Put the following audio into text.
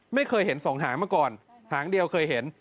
ไม่เคยเห็นสองหางมาก่อนหางเดียวเคยเห็น